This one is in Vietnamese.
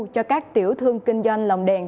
cho các tiểu thương kinh doanh lồng đèn